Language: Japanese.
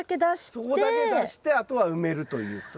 そこだけ出してあとは埋めるということですね。